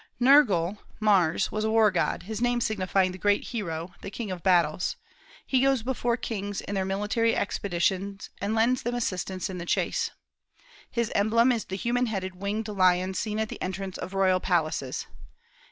Nergal (Mars) was a war god, his name signifying "the great Hero," "the King of battles." He goes before kings in their military expeditions, and lends them assistance in the chase. His emblem is the human headed winged lion seen at the entrance of royal palaces.